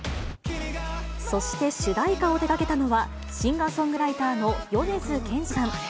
そして主題歌を手がけたのは、シンガーソングライターの米津玄師さん。